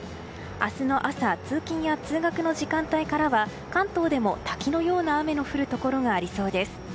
明日の朝通勤や通学の時間帯からは関東でも滝のような雨の降るところがありそうです。